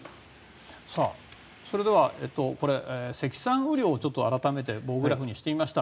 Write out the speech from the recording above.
それでは、積算雨量を改めて棒グラフにしてみました。